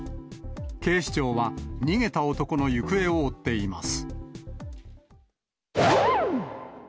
警視庁は、逃げた男の行方を追っています。